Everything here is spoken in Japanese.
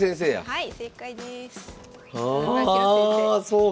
はい。